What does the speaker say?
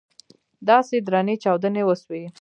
داسې درنې چاودنې وسوې.